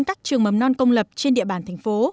các trường mầm non công lập trên địa bàn tp